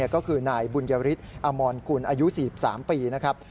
ก็คือนายบุญยฤทธิ์อมรกุลอายุ๔๓ปีนะครับ